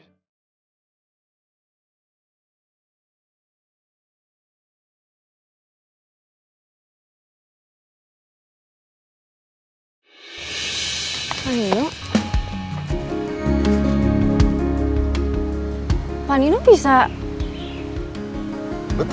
ya tuhan yang mudah jangankan diriku